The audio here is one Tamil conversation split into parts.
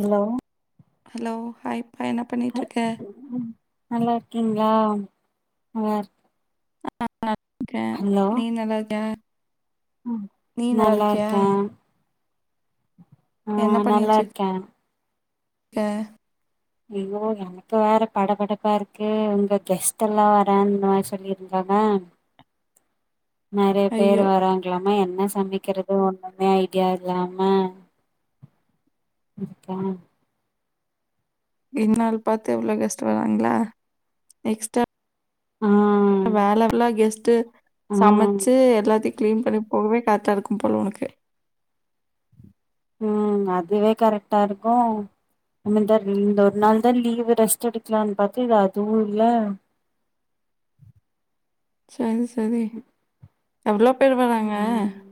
அல்லோ ஹலோ ஹாய்ப்பா என்ன பண்ணிட்ருக்க ம் நல்லாருக்கீங்ளா நல்லாரு க்கே நீ நல்லாருக்கியா நீ நல்லா நல்லாருக்கியா இருக்கேன் என்ன ஆஹ் நல்லா பண்ணிட்ரு இருக்கேன் க்க விவ்வோ வேணா இப்ப வேற பட படப்பாருக்கு ஒங்க கெஸ்ட்ல்லா வரேன்மாரி சொல்லிருந்தனா நறைய பேர் ஐயோ வரா ங்ளாம என்ன சமைக்கிறது ஒண்ணுமே ஐடியா இல்லாம இருக்கே இன்னாள் பாத்து இவ்ளோ கெஸ்ட்டு வராங்ளா எக்ஸ்ட்டா ஆ மேல ஃபுல்லா கெஸ்ட்டு ஆஹ் சமச்சு எல்லாத்தையு க்ளீன் பண்ணி போகவே கரெக்டாருக்கும்போல ஒனக்கு ம் அதுவே கரெக்டாருக்கு நம்மதா இந்த ஒர் நாள் தா லீவு ரெஸ்ட் எடுக்கலான் பாத்து இது அதுவு இல்ல சேரி செரி எவ்ளோ பேர் வராங்க உம்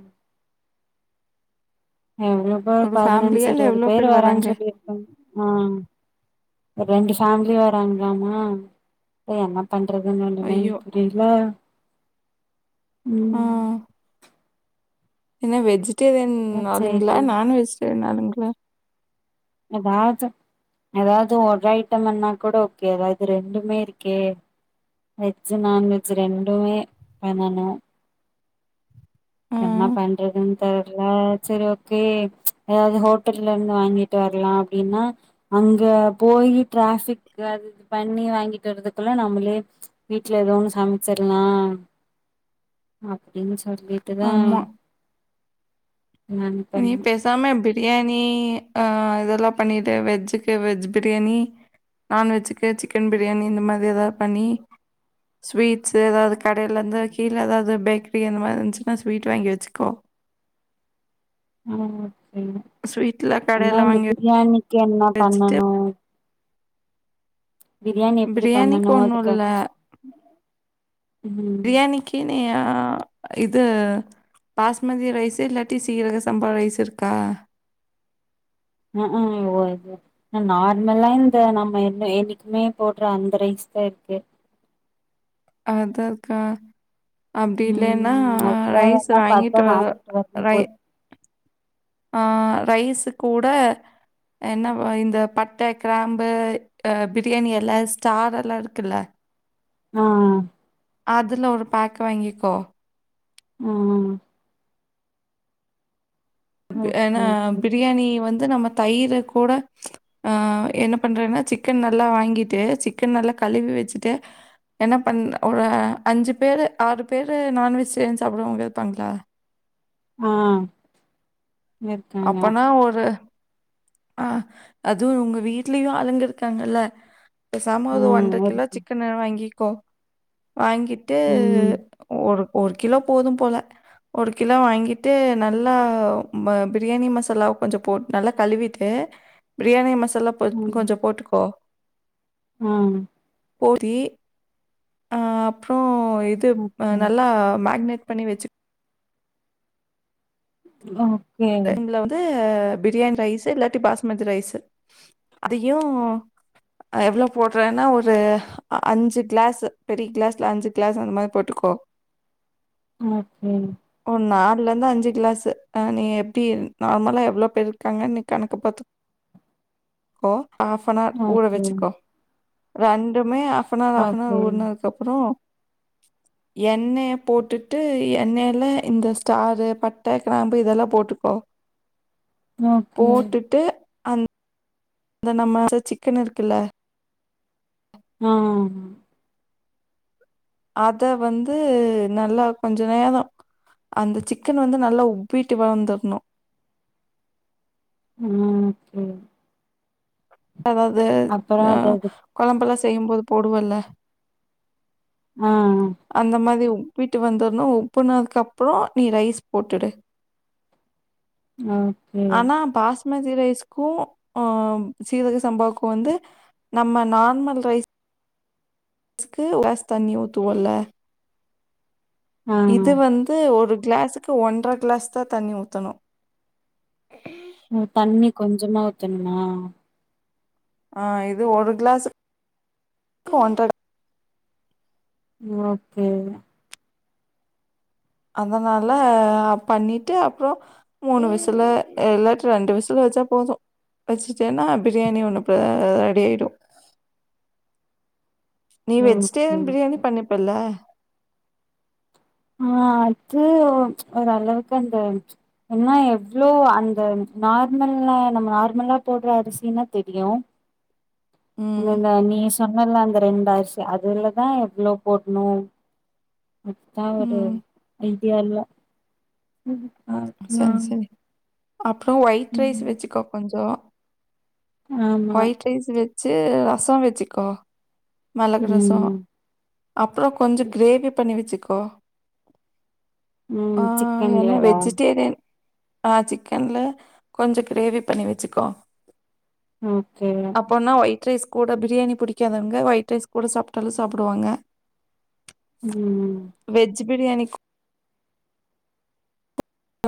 எவ்ளோ பேர் ஒரு பதினஞ்சு ஃபேமிலியா இல்லை இருவது எவ்வளோ பேர் வராங்ன் வராங்க சொல்லி ஆ ஒரு ரெண்டு ஃபேம்லியா வராங்ளாமா அதா என்ன பண்றதுன்னு ஒண்ணுமே ஐயோ புரில ஆ ம் என்ன வெஜிடேரியன் அதா ஆளுங்ளா சேரி நான் வெஜிடேரியன் ஆளுங்ளா எதாச்சு எதாவ்து ஒரு ஐட்டம்மன்னா கூட ஓகே அதாது ரெண்டுமேருக்கே வெஜ்ஜு நான்வெஜ் ரெண்டுமே பண்ணணு ஆ என்ன பண்றதுன் தெர்ல செரி ஓகே எதாவ்து ஹோட்டல்லருந்து வாங்கி ட்டு வர்லா அப்டினா அங்க போயி டிராஃபிக் அது இது பண்ணி வாங்கிட்டு வர்றதுக்குள்ள நம்ளே வீட்ல எதோ ஒண்ணு சமச்சிர்லா அப்டின் சொல்லி ட்டு தா ஆமாம் நீ பே சாம பிரியாணி ஆ இதெல்லா பண்ணிடு வெஜ்ஜுக்கு வெஜ் பிரியாணி நான்வெஜ்ஜுக்கா சிக்கன் பிரியாணி இந்த மாதி எதாவ்து பண்ணி ஸ்வீட்ஸ்சு எதாவது கடையிலருந்து கீழே எதாவது பேக்கரி அந்த மாரி இருந்துச்சுன்ன ஸ்வீட்ஸ் வாங்கி வெச்சுக்கோ ஆ சேரி ஸ்வீட்ல ஆனா கடையில இந்த வாங்கி பிரியாணிக்கு என்ன வச்சுட்டு பண்ணணு பிரியாணி எப்டி பிரியாணிக்கு பண்ணணு ஒன்றும் அதுக்கு இல்லை ம் பிரியாணிக்கு நீ ஆ இது பாஸ்மதி ரைஸ்ஸு இல்லாட்டி சீரக சம்பா ரைஸ்ஸு இருக்கா ம் ஹும் [unintelligible] நார்மல்லா இந்த நம்ம என்ன என்னக்கிமே போட்ற அந்த ரைஸ் தாருக்கு அது இருக்கா அப்டி இல்லன்னா ம் அதா ரைஸ்ஸு வேணா பாத்தா வாங்கிட்டு வர வரணு ரை போய் ஆ ரைஸ்ஸு கூட என்ன இந்த பட்ட கிராம்பு அ பிரியாணி எல ஸ்டார் எல இருக்குல்ல ஆ அதுல ஒரு பேக் வாங்கிக்கோ ம் ப ஏன ஓகே ஓகே பிரியாணி வந்து நம்ம தயிர கூட ஆ என்ன பண்றேன்னா சிக்கன் நல்லா வாங்கிட்டு சிக்கன் நல்லா கழுவி வெச்சுட்டு என்ன பண் ஒரு அஞ்சு பேரு ஆறு பேரு நான்வெஜ்டேரியன் சாப்புறவங்க இருப்பாங்ள ஆ இருக்காங்க அப்பனா ஒரு ஆ அது உங்க வீட்லியு ஆளுங்க இருக்காங்கல்ல பெசாம ஒரு ஒன்ர ம் கிலோ இருக்கு சிக்கனு வாங்கிக்கோ வாங்கிட்டு ம் ஒரு ஒரு கிலோ போதும்போல ஒரு கிலோ வாங்கிட்டு நல்லா ம பிரியாணி மசாலா கொஞ்ச போ நல்லா கழுவிட்டு பிரியாணி மசாலா கொஞ்ச போட்டுக்கோ ம் போட் தி அ அப்றோ இது அ நல்லா மேக்னேட் பண்ணி வெச்சு அ ரெண்ட்ல வந்து அ பிரியாணி ரைஸு இல்லாட்டி பாஸ்மதி ரைஸு அதையு அ எவ்ளோ போட்றேனா ஒரு அ அஞ்சு க்ளாஸு பெரி க்ளாஸ்ல அஞ்சு க்ளாஸ் அந்த மாரி போட்டுக்கோ ம் சேரி ஒ நாலந்து அஞ்சு க்ளாசு அ நீ எப் டி நார்மலா எவ்ளோ பேர் இருக்காங்க நீ கணக்கு பாத்துக்கோ ஆஃப் ஃபனார் ஊற ஓகே வெச்சுக்கோ ரெண்டுமே ஆஃபனார் ஆஃபனார் ஓகே ஊற்னதுக் கப்புறோ எண்ணெய் போட்டுட்டு எண்ணெயல்ல இந்த ஸ்டாரு பட்ட கிராம்பு இதெல்லா போட்டு க்கோ ஓகே இந்த நம்ம சிக்கன் இருக்குல்ல அ அ ஆமா அத வந்து நல்லா கொஞ்ச நேரோ அந்த சிக்கனு வந்து நல்லா உப்பிட்டு வந்தர்னோ அ ஓகே அதாவ்து அப்பறோ அ அதாவது கொழம்பெல்லா செய்யும்போது போடுவேல்ல ஆ அ அந்த மாரி உப்பிட்டு வந்துர்ணு உப்புனதுக்கு அப்புறோ நீ ரைஸ் போட்டுடு ஓகே ஆனா பாஸ் மதி ரைஸ்க்கு ஆ சீரக சம்பாவ்க்கு வந்து நம்ம நார்மல் ரைஸ்க்கு ஒரு க்ளாஸ் தண்ணி ஊத்துவோல்ல ஆ இது வந்து ஒரு க்ளாஸுக்கு ஒன்ற க்ளாஸ் தா தண்ணி ஊத்தணு ம் தண்ணி கொஞ்சமா ஊத்தனுமா ஆ இது ஒரு க்ளாஸுக் ஒன்ற ஓகே அதனால பண்ணிட்டு அப்றோ மூணு விசுல இல்லாட் ரெண்டு விசுல வெச்சா போது வச்சுட்டேன்னா பிரியாணி ஒன்னு ரெடி ஆய்டு நீ ஓகே வெஜிடேரியன் ஓகே பிரியாணி பண்ணிப்பல்ல ஆ அது ஒரு அளவுக்கு அந்த என்னா எவ்ளோ அந்த நார்மல நம்ம நார்மலா போடுற அரிசினா தெரியு இந்த ம் இந்த நீ சொன்னல அந்த ரெண்டு அரிசி அதுலதா எவ்ளோ போட்ணு அதுதான் ஒரு ம் ஐடியா இல்ல அப்பறம் ஒயிட் ம் ரைஸ் வச்சுக்கோ கொஞ்சோ ஆமா ஒயிட் ரைஸ் வச்சு ரச வச்சுக்கோ மிளகு ரச ம் அப்பற கொஞ்சோ கிரேவி பண்ணி வச்சுக்கோ ஆ ம் என்ன சிக்கன்லயா வெஜ் ஆ சிக்கன்ல கொஞ்சோ கிரேவி பண்ணி வச்சுக்கோ ஓகே அப்பனா வய் ஒயிட் ரைஸ் கூட பிரியாணி புடிக்காதவங்க ஒயிட் ரைஸ் கூட சாப்ட்டாலு சாப்டுவாங்க ம் வெஜ் பிரியாணி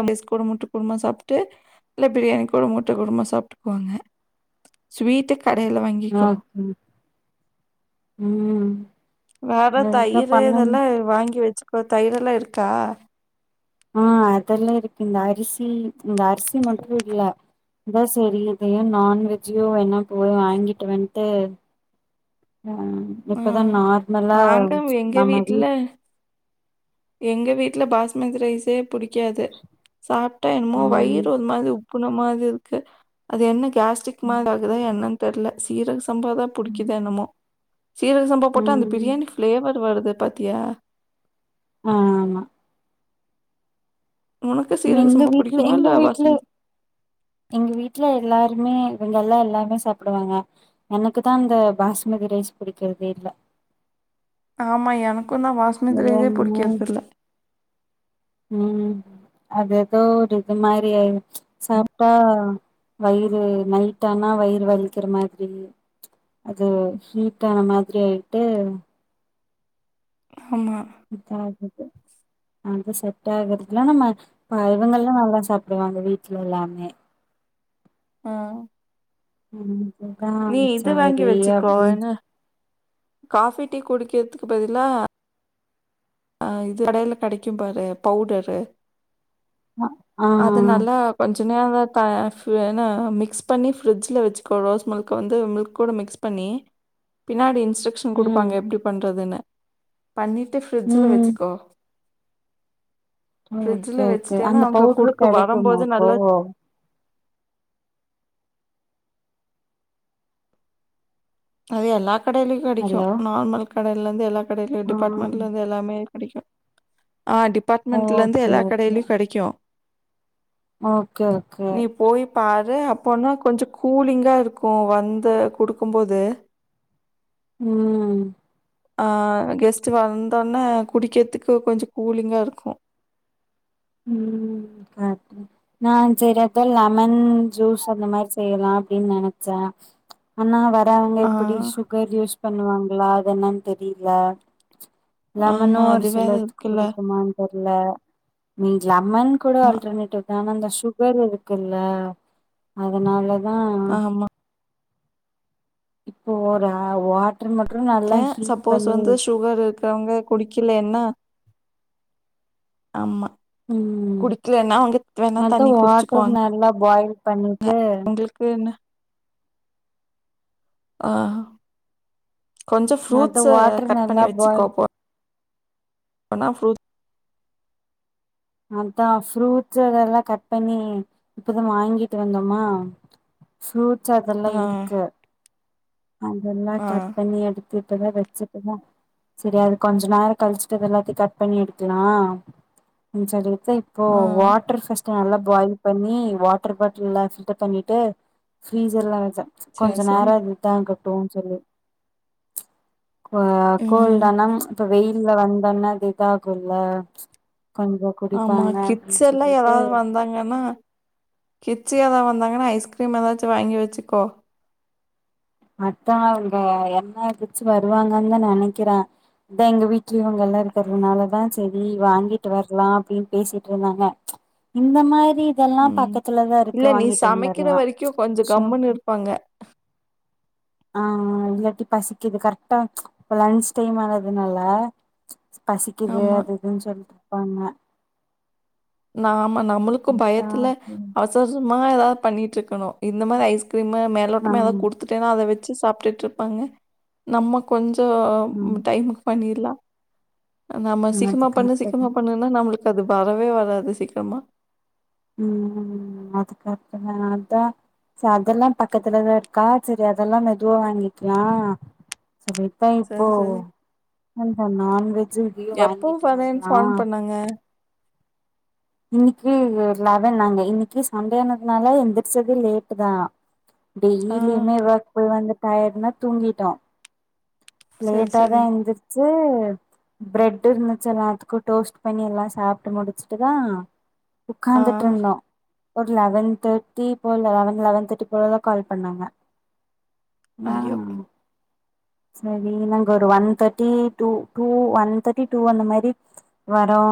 ரைஸ் கூட முட்ட குருமா சாப்ட்டு இல்ல பிரியாணி கூட முட்ட குருமா சாப்ட்டுக்குவாங்க ஸ்வீட்டு கடைல வாங்கி நாக்கும் ம் வேற அதுதா தயிர் பண்ணனு இதெல்லா வாங்கி வச்சுக்கோ தயிரெல்லாம் இருக்கா ஆ அதெல்லா இருக்கு இந்த அரிசி இந்த அரிசி மட்டு இல்ல இந்த சரியது நான் வெஜ்ஜோ ஒன்னா போய் வாங்கிட்டு வந்ட்டு ம் எப்பதா ம். நார்மலா நாங்க எங்க நம்ம வீட் வீட்ல எங்க வீட்ல பாஸ்மதி ரைஸே புடிக்காது சாப்ட்டா என்னமோ ம் வயிறு ஒரு மாரி உப் புன மாரி இருக்கு அது என்ன கேஸ்ட்ரிக் மாரி ஆகுதா என்னன் தெரில சீரக சம்பாதா புடிக்குதோ என்னமோ சீரக சம்பா போட்டா அந்த ம் பிரியாணி ஃப்ளேவர் வருது பாத்தியா ஆமா உனக்கு சீரக எங்க சம்பா வீட்ல பிடிக்குமா? எங்க இல்ல வீட்ல பாஸ்மதி எங்க வீட்ல எல்லாருமே இவங்க எல்லா எல்லாருமே சாப்டுவாங்க எனக்கு தா இந்த பாஸ்மதி ரைஸ் புடிக்கிறதே இல்ல ஆமா எனக்கு தா பாஸ்மதி ரைஸே புடிக்கிறது இல்ல ம் அது எதோ ஒரு இது மாரி ஆய்ரு சாப்ட்டா வயிறு நைட்டடானா வயிறு வலிக்கிற மாதிரி அது ஹீட்டான மாதிரி ஆய்ட்டு அமா புடுச்சா [unintelligible] அது செட் ஆகுறதுலா நம்ம இவங்கல்லா நல்லா சாப்டுவாங்க வீட்ல எல்லாமே அ ஆ முடுஞ்ச்சா நீ இது வாங்கி வச்சுக்கோ என்ன காஃபி டீ குடிக்கிறதுக்கு பதிலா ஆ இது கடைல கிடைக்கு பாரு பவுடரு சொன்னா ஆ அது நல்லா கொஞ்சோ நேர தாஎன்ன மிக்ஸ் பண்ணி ஃப்ரிட்ஜில வச்சுக்கோ ரோஸ் மில்க வந்து மில்கூட மிக்ஸ் பண்ணி பின்னாடி இன்ஸ்ட்ரக்க்ஷன் ம் குடுப்பாங்க எப்டி பன்றதுன்னு பண்ணிட்டு ஃபிரிட்ஜி ம் வச்சுக்கோ ம் ஓ கே ஃப்ரிட்ஜில் ஒகே வச்சுட்டேன்னா அந்த அவங்க பவுடரு கொடுக்க கிடைக்குமா வரும்போது இப்போ நல்லா அது எல்லா கடைலயு கெடைக்கு ஹலோ நார்மல் கடைல இருந்து எல்லா கடைலயு ஆ டிபார்ட்மெண்ட்ல இருந்து எல்லாமே கெடைக்கும் ஆ டிபார்ட்மெண்ட்லருந்து ஓகே எல்லா ஓகே கடைலயு கெடைக்கு ஓகே ஒகே நீ போய் பாரு அப்போனா கொஞ்ச கூலிங்காக இருக்கு வந்து குடுக்கும்போது ம் அ கெஸ்ட்டு வந்தோனே குடிக்கிறதுக்கு கொஞ்சோ கூலிங்கா இருக்கு ம் காட்டு நா செரி அதா லெமன் ஜூஸ் அந்த மாரி செய்யலா அப்டின்னு நெனச்சே ஆனா வரவங்க ஆ, எப்டி சுகர் யூஸ் பண்ணுவாங்களா அது என்னன்னு தெரியில லெமனோ ஆமா. ஒரு அது வேற சிலர்த்துக்கு இருக்குல்ல. புடிக்குமான் தெர்ல நீங்க லெமன் கூட ஆமா, ஆல்டர்னேட்டிவ்தா ஆன அந்த சுகர் இருக்குல்ல அதனாலத் அஅ ஆமா. இப்போ ஒரு அ வாட்ரு மற்றும்ல அ சப்போஸ் வந்து சு சுகர் இருக்கறவங்க குடிக்கலேன்னா ஆமா ம் குடிக்லேன்னா வந்துட் வேணா அதா தண்ணி வாட்டர் குடிச்சுக்குவாங் நல்லா பாயில் க பண்ணிட்டு அவங்களுக் வேணு ஆஹ கொஞ்சோ அது ஃப்ரூட்ஸ்ஸ வாட்டர் கட் பண்ணி நல்லா வச்சுக்கோ பாயில் அப்போ என்னா ஃப்ரூட் அன்தா ஃப்ரூட்ஸ்ஸு அதெல்லா கட் பண்ணி இப்பதா வாங்கிட்டு வந்தோமா ஃப்ரூட்ஸ் அதெல்லா ஆ, இருக்கு அந்தெல்லா ஆ, கட் பண்ணி எடுத்து இப்பதா வச்சுட்டு தா செரி அது கொஞ்ச நேர கழிச்சுட்டு இத எல்லாத்தையு கட் பண்ணி எடுக்கலா ம் சரி தே இப்போ ஆ. வாட்டர் ஃபர்ஸ்ட் டு நல்லா பாயில் பண்ணி வாட்டர் பாட்டில்ல பில்டர் பண்ணிட்டு ஃப்ரீஸர்லா வச்சிசே ம்ச் சரி, கொஞ்சோ சரி. நேரோ இருந்தாங்கட்டோன் சொல்லி ம்ச் குவ கோல் ம். தனம் ம்ச் இப்ப வெயில்ல வந்தன்னா இது இதாகுல்ல ம்ச் கொஞ்சோ ஆமா குடிப்பாங்க அப்டின் கிட்ஸ்யெல்லா சொல்லிட்டு ஏதாவது வந்தாங்கன்னா கிட்ஸ் ஏதா வந்தாங்கான ஐஸ்கிரீம் ஏதாச்சு வாங்கி வச்சிகோ மத்தவங்க என்ன கிட்ஸ் வருவாங்கன்னு நெனைக்கிறே இத எங்க வீட்லயு இவங்க எல்லா இருக்கிறதுனாலதா செரி வாங்கிட்டு வர்லா அப்டின்னு பேசிட்ருந்தாங்க ம்ச் இந்த மாரி இதெல்லா பாத் ம். பக்கதுலதார்ப் இல்ல நீ சமைக்கிற வரைக்கு கொஞ்ச கம்முன்னு இருப்பாங்க ஆஆ இல்லாட்டி பசிக்குது கரெக்டா ம்ச் இப்ப லஞ்ச் டைம் ஆனதுனால ம்ச் பசிக்குது ஆமா. அது இதுன்னு சொல்லிட்ருப்பாங்க நாம நம்மளுக்கு அதா பயத்துல அஸ் சோசிமா ஏதாவது பண்ணிட்ருக்கணு இந்த மாரி ஐஸ் கிரீமு ஆ மேலோட்டமா ஏதா குடுத்துட் டேனா அத வச்சு சாப்ட்டுட்ருப்பாங்க நம்ம கொஞ்சோ ம் டைமுக்கு பண்ணிர்லா அ நம்ம ம் சீக்கிரமா பண்ணு அதுக்கடுத்தது சீக்கிரமா பண்ணுனா நம்மளுக்கு அது வரவே வராது சீக்கிரமா ம்ம் அதுக்கப்றோ தா அதா ச அதெல்லா பக்கத்துலதா இருக்கா சரி அதெல்லா மெதுவா வாங்கிக்கலா சரி இதா இப்போ சரி, சரி. இந்த நான்வெஜ்ஜு இதே வாங்கிட்டு வர்லா அங்க இன்னைக்கு லெவன் நாங்க இன்னைக்கு சண்டேனதுனால எந்துருச்சது லேட்டு் தா ஆ. டெய்லியுமே ஒர்க் போய் வந்து டயடுனா தூங்கிட்டோ சரி, லேட்டா சரி. தான் எந்ரு ச்சு பிரெட் இருந்துச்சு எல்லாத்துக்கு டோஸ்ட் பண்ணி எல்லா சாப்ட்டு முடிச்சுட்டு தா ஆ. உட்கார்ந்துட்ருந்தோ ஒரு லெவன் தெர்ட்டி போல லெவன் லெவன் தெர்ட்டி போலதா கால் பண்ணாங்க நா ஐயோ! சரி நாங்க ஒரு one thirty two two one thirty two அந்த மாரி ம்ச் வரோ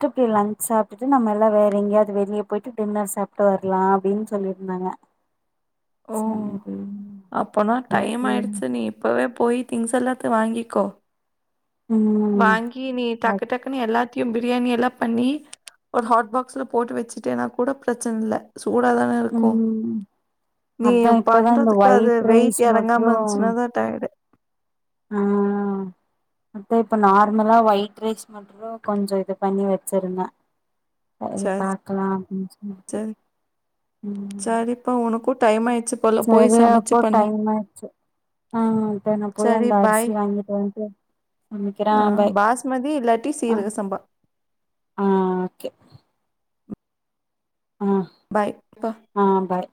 [unintelligible] லஞ்ச் சாப்டுட்டு நம்ம எல்லா வேற எங்கேயாவது வெளிய போய்ட்டு டின்னர் சாப்ட்டு வரலா அப்டின் சொல்லிருந்தாங்க ஓ அப்பனா டைம் ஓகே ஆயிடுச்சு நீ இப்போவே போய் திங்ஸ் எல்லாத்து வாங்கிக்கோ ம் வாங்கி நீ அ டக்குடக்கு னு எல்லாத்தையு பிரியாணி எல்லா பண்ணி ஒரு ஹாட் பாக்ஸ்ல போட்டு வச்சுட்டேன்னா கூட பிரச்சன இல்ல சூடாதானே இருக்கு ம் நீ அதா இப்பதா இந்த பண்றதுக்கு அது ஒயிட் ரைஸ் வெயிட் மற்று எறங்காம இருந்துச்சுனா தா டயர்டு ம் ட்டு இப்ப நார்மலா ஒயிட் ரைஸ் மட்டுந்தா கொஞ்சோ இது பண்ணி வச்சிருந்தே அது சரி பாக்கலா அப்டின் சொல்லிட்டு ம் இப்ப உனக்கு டைம் ஆயிச்சு சரிய அப்போ டைம் ஆயிச்சு ஆ இப்ப நா போய சரி அந்த அரிசி பாய் வாங்கிட்டு வன்ட்டு சமைக்கிறே ஆ பாய் பாஸ்மதி இல்லாட்டி ஆ சீரக சம்பா ஆ ஓக்கே ஆ பாய்ப்ப ஆ பாய்